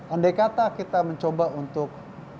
andai kata kita mencoba untuk